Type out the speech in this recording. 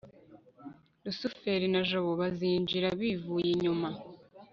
rusufero na jabo bazinjira bivuye inyuma